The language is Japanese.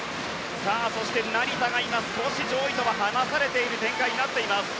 そして成田が今、少し上位とは離されている展開にはなっています。